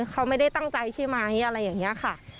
เขาไม่ได้ตั้งใจใช่ไหมอะไรอย่างนี้ค่ะ